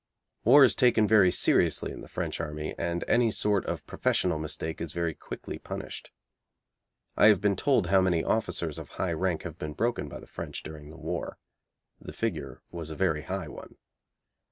War is taken very seriously in the French army, and any sort of professional mistake is very quickly punished. I have been told how many officers of high rank have been broken by the French during the war. The figure was a very high one.